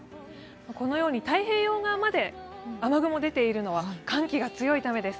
このように太平洋側まで雨雲出ているのは寒気が強いためです。